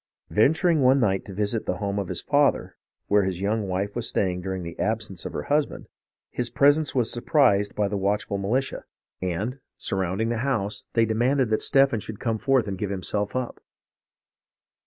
Venturing one night to visit the home of his father, where his young wife was staying during the absence of her husband, his presence was suspected by the watchful militia ; and, sur M Ci. SUFFERINGS OF THE COMMON FEOPLE 277 rounding the house, they demanded that Stephen should come forth and give himself up.